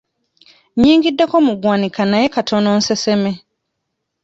Nnyingiddeko mu ggwanika naye katono nseseme.